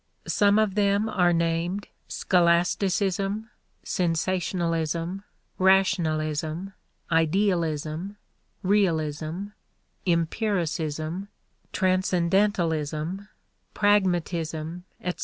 Some of them are named scholasticism, sensationalism, rationalism, idealism, realism, empiricism, transcendentalism, pragmatism, etc.